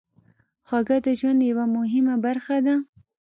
خوږه د ژوند یوه مهمه برخه ده.